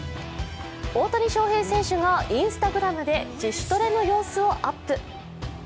大谷翔平選手がＩｎｓｔａｇｒａｍで自主トレの様子をアップ。